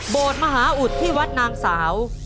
โบสถ์มหาอุดที่วัดนางสาว